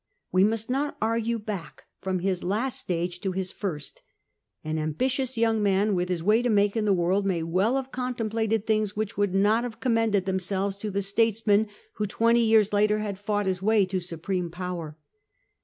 We must not argue back from his last stage to his lirst; an ambitious young man, with his way to make in the world, may well have contemplated things which would not have commended themselves to the statesman who, twenty years later, had fought his way to supreme powder.